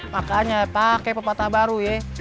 makanya pake pepatah baru ye